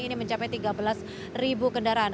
ini mencapai tiga belas ribu kendaraan